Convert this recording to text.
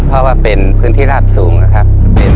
เพราะว่าเป็นพื้นที่ราบสูงนะครับ